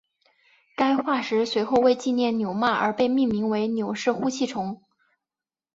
该化石随后为纪念纽曼而被命名为纽氏呼气虫。